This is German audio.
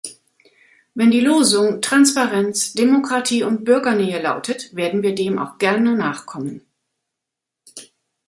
Wenn die Losung Transparenz, Demokratie und Bürgernähe lautet, werden wir dem auch gerne nachkommen.